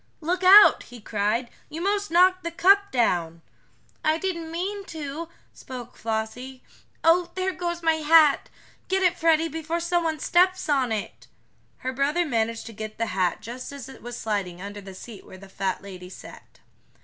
"Look out!" he cried. "You 'mos knocked the cup down." "I didn't mean to," spoke Flossie. "Oh, there goes my hat! Get it, Freddie, before someone steps on it!" Her brother managed to get the hat just as it was sliding under the seat where the fat lady sat.